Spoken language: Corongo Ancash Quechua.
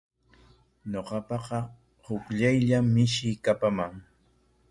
Ñuqapaqa hukllayllam mishii kapaman.